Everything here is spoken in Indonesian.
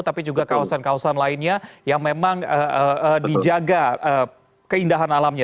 tapi juga kawasan kawasan lainnya yang memang dijaga keindahan alamnya